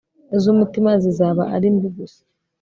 zumutima zizaba ari mbi gusa